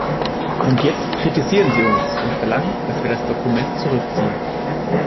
Und jetzt kritisieren Sie uns und verlangen, dass wir das Dokument zurückziehen.